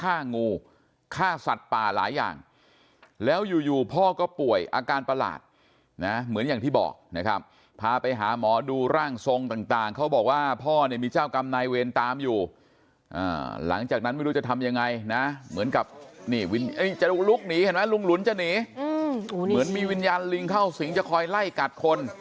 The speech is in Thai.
ฆ่างูฆ่าสัตว์ป่าหลายอย่างแล้วอยู่อยู่พ่อก็ป่วยอาการประหลาดนะเหมือนอย่างที่บอกนะครับพาไปหาหมอดูร่างทรงต่างเขาบอกว่าพ่อเนี่ยมีเจ้ากรรมนายเวรตามอยู่หลังจากนั้นไม่รู้จะทำยังไงนะเหมือนกับนี่จะลุกหนีเห็นไหมลุงหลุนจะหนีเหมือนมีวิญญาณลิงเข้าสิงจะคอยไล่กัดคน